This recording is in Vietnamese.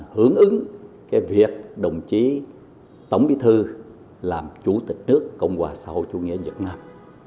hưởng ứng việc đồng chí tổng bí thư làm chủ tịch nước cộng hòa xã hội chủ nghĩa việt nam